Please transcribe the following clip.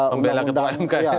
membela ketua mk